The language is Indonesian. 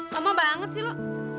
lama banget sih lu